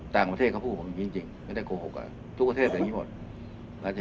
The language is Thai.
ต่างประเทศเขาพูดผมอย่างนี้จริงไม่ได้โกหกทุกประเทศอย่างนี้หมด